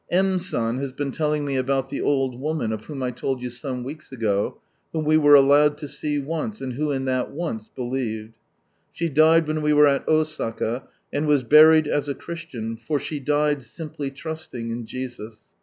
— M. San has been telling me about the old woman of whom I told you some weeks ago, whom we were allowed lo see once, and who in that once believed. She died when we were at Osaka, and was buried as a Christian, for she died, simply trusting in Jesus.